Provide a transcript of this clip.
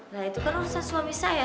nah itu kan urusan suami saya